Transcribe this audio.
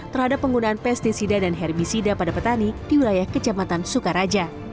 terhadap penggunaan pesticida dan hermisida pada petani di wilayah kecamatan sukaraja